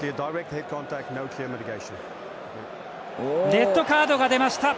レッドカードが出ました！